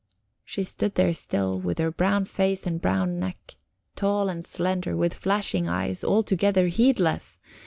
She stood there still, with her brown face and brown neck, tall and slender, with flashing eyes, altogether heedless.